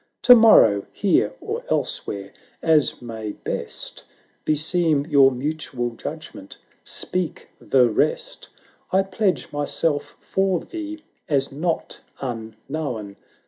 To morrow, here, or elsewhere, as may best Beseem your mutual judgment, speak the rest; 470 I pledge myself for thee, as not unknown 398 LARA [Canto i.